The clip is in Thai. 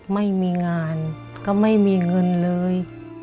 ไม่มีงานก็ไม่มีเงินเลย